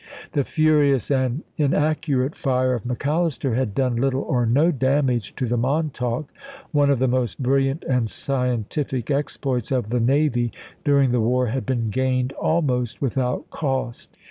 The furious and inaccurate fire of McAllister had done little or no damage to the Montauk. One of the most brilliant and scientific exploits of the navy during the war had been gained almost without cost.